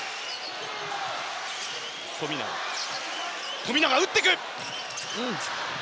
富永、打ってくる。